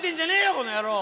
この野郎！